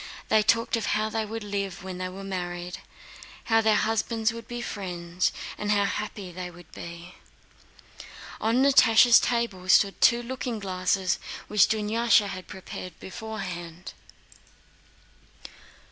They talked of how they would live when they were married, how their husbands would be friends, and how happy they would be. On Natásha's table stood two looking glasses which Dunyásha had prepared beforehand.